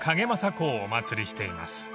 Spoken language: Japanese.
公をお祭りしています］